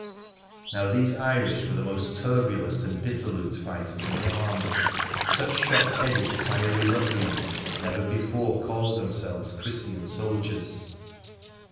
Now, these Irish were the most turbulent and dissolute fighters in the army. Such shock headed r fiery ruffians never before called themselves Christian soldiers.